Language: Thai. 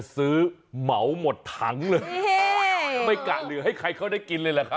เหมาหมดถังเลยไม่กะเหลือให้ใครเขาได้กินเลยเหรอครับ